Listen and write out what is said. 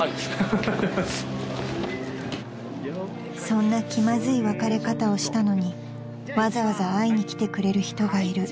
［そんな気まずい別れ方をしたのにわざわざ会いに来てくれる人がいる］